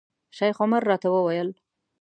شیخ عمر راته وویل.